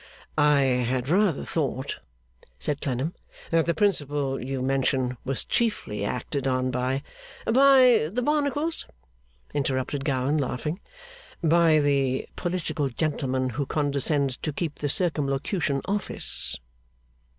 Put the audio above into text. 'I had rather thought,' said Clennam, 'that the principle you mention was chiefly acted on by ' 'By the Barnacles?' interrupted Gowan, laughing. 'By the political gentlemen who condescend to keep the Circumlocution Office.